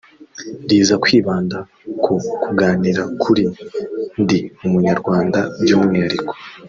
riza kwibanda ku kuganira kuri “Ndi Umunyarwanda” by’umwihariko